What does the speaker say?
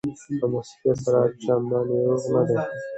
له موسقۍ سره چنديان روغ نه دي